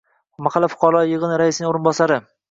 Mahalla fuqarolar yig'ini raisining o'rinbosari